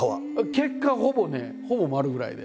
結果ほぼねほぼ丸くらいで。